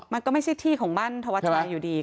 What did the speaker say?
มันก็ไม่ใช่ที่ของบ้านธวัชชัยอยู่ดี